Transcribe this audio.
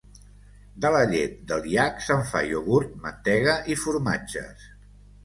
De la llet del iac, se'n fa iogurt, mantega i formatges.